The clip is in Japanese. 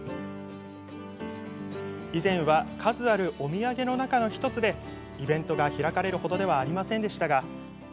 以前は数あるお土産の中の１つでイベントが開かれるほどではありませんでしたが。